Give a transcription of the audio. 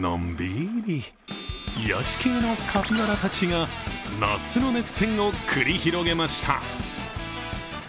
癒やし系のカピバラたちが夏の熱戦を繰り広げました。